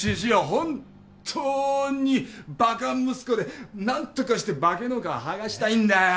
本当にバカ息子で何とかして化けの皮剥がしたいんだよ！